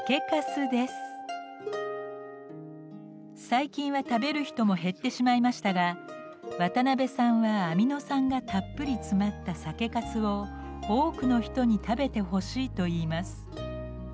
最近は食べる人も減ってしまいましたが渡辺さんはアミノ酸がたっぷり詰まった酒かすを多くの人に食べてほしいといいます。